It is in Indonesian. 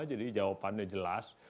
jadi jawabannya jelas